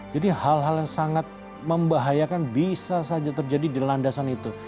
jadi hal hal yang sangat membahayakan bisa saja terjadi di landasan itu